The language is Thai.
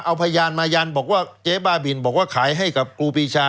เอาพยานมายันบอกว่าเจ๊บ้าบินบอกว่าขายให้กับครูปีชา